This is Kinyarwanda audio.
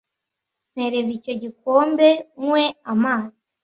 Mpereza icyo gikombe nywe amazi